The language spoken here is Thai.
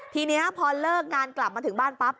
ทีนี้พอเลิกงานกลับมาถึงบ้านปั๊บ